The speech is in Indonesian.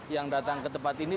yang datang ke tempat ini